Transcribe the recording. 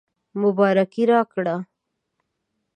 مبارکي راکړه.